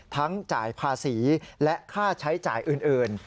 จ่ายภาษีและค่าใช้จ่ายอื่น